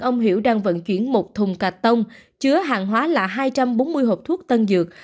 ông hiểu đang vận chuyển một thùng cà tông chứa hàng hóa là hai trăm bốn mươi hộp thuốc tân dược